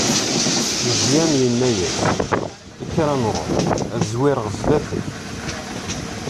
Meẓyan yenna-as: Kker ad nṛuḥ, ad zwireɣ zdat-k.